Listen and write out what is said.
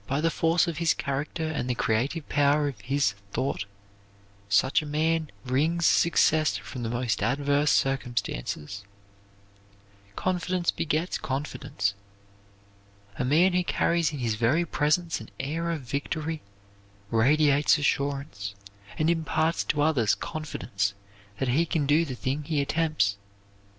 By the force of his character and the creative power of his thought, such a man wrings success from the most adverse circumstances. Confidence begets confidence. A man who carries in his very presence an air of victory, radiates assurance, and imparts to others confidence that he can do the thing he attempts.